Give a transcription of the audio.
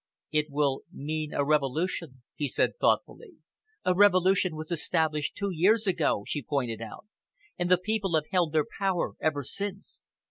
"It will mean a revolution," he said thoughtfully. "A revolution was established two years ago," she pointed out, "and the people have held their power ever since.